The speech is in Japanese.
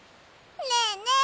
ねえねえ